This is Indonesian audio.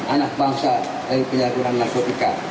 anak bangsa dari penyaluran narkotika